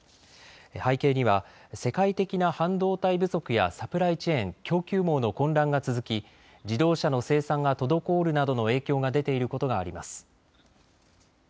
背景には世界的な半導体不足やサプライチェーン・供給網の混乱が続き自動車の生産が滞るなどの影響が出ていることがあります。